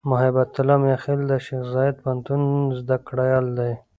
محبت الله "میاخېل" د شیخزاید پوهنتون زدهکړیال دی.